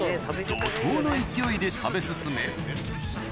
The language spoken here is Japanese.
怒濤の勢いで食べ進め